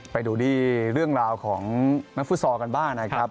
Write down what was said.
ไปดูดิเรื่องราวของนักฟุทศการบ้าง